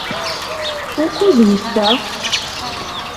Wukud yeffeɣ?